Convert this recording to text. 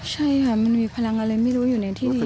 ใช่ค่ะมันมีพลังอะไรไม่รู้อยู่ในที่ดี